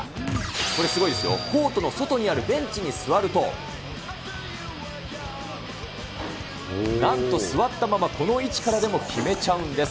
これ、すごいですよ、コートの外にあるベンチに座ると、なんと座ったまま、この位置からでも決めちゃうんです。